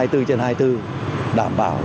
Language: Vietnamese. hai mươi bốn trên hai mươi bốn đảm bảo